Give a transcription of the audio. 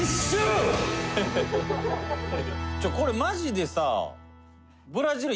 「これマジでさ」